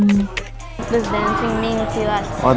คุณคิดว่า